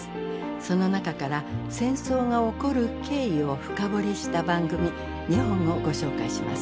その中から戦争が起こる経緯を深掘りした番組２本をご紹介します。